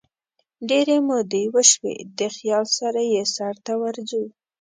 ډیري مودې وشوي دخیال سره یې سرته ورځو